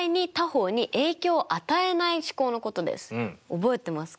覚えてますか？